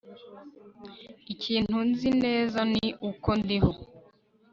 Ikintu nzi neza ni uko ndiho